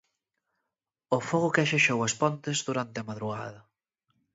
O fogo que axexou As Pontes, durante a madrugada.